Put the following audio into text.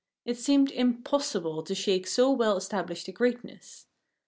It seemed impossible to shake so well established a greatness.